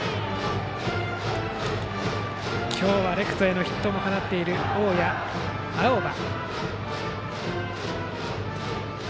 今日はレフトへのヒットも放っている大矢青葉。